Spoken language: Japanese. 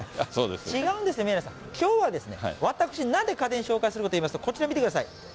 違うんですよ、宮根さん、きょうはですね、私、なんで家電紹介するかといいますと、こちら見てください。